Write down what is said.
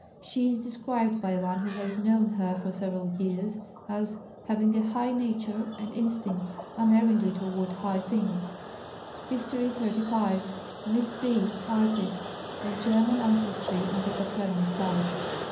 She is described by one who has known her for several years as "having a high nature, and instincts unerringly toward high things." HISTORY XXXV. Miss B., artist, of German ancestry on the paternal side.